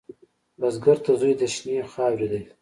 بزګر ته زوی د شنې خاورې دی